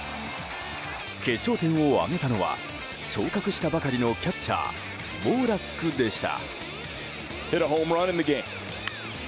決勝点を挙げたのは昇格したばかりのキャッチャーウォーラックでした。